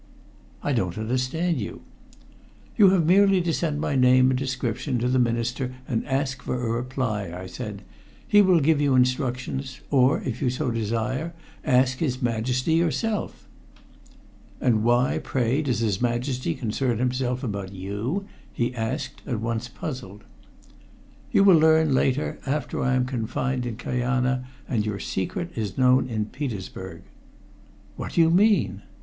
"I don't understand you." "You have merely to send my name and description to the Minister and ask for a reply," I said. "He will give you instructions or, if you so desire, ask his Majesty yourself." "And why, pray, does his Majesty concern himself about you?" he asked, at once puzzled. "You will learn later, after I am confined in Kajana and your secret is known in Petersburg." "What do you mean?"